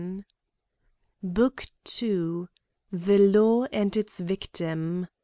BOOK II THE LAW AND ITS VICTIM XI.